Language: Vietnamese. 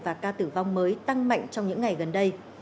và ca tử vong mới tăng mạnh trong những ngày gần đây